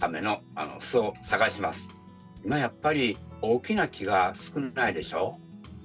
今やっぱり大きな木が少ないでしょ。